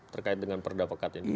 terkait dengan perda pekat ini